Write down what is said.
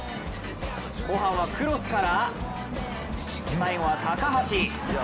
後半はクロスから最後は高橋。